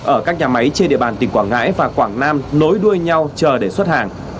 ở các nhà máy trên địa bàn tỉnh quảng ngãi và quảng nam nối đuôi nhau chờ để xuất hàng